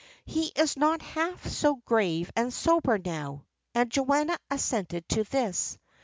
"He is not half so grave and sober now." And Joanna assented to this.